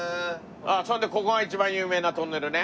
それでここが一番有名なトンネルね。